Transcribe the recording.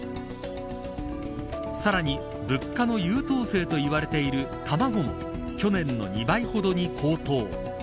さらに物価の優等生といわれている卵も、去年の２倍ほどに高騰。